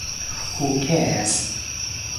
Who cares?